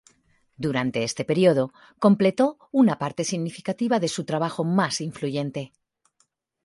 Durante este período, completó una parte significativa de su trabajo más influyente.